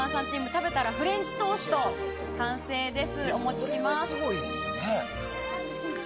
食べたらフレンチトーストです。